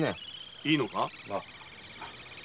いいのか？